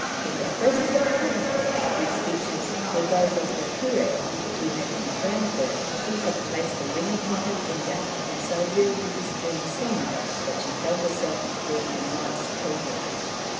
In the presence of a holy man, whose features were those of the Curé who confirmed her, he had placed a ring upon her finger; and so real did this dream seem, that she held herself to to be the knight's true wife.